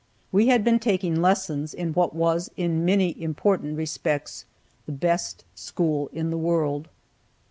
We had been taking lessons in what was, in many important respects, the best school in the world.